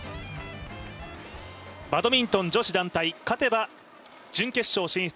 バドミントン女子団体勝てば準決勝進出